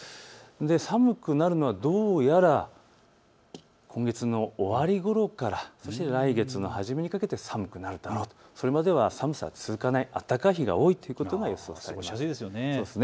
寒くなるのはどうやら今月の終わりごろからそして来月の初めにかけて寒くなると、それまで寒さは続かない暖かい日が多いと予想されます。